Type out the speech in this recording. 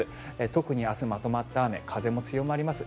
特に明日、まとまった雨風も強まります。